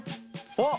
あっ！